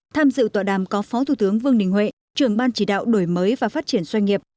tham dự tọa đàm có phó thủ tướng vương đình huệ trưởng ban chỉ đạo đổi mới và phát triển doanh nghiệp